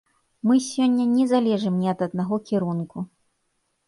Мы сёння не залежым ні ад аднаго кірунку.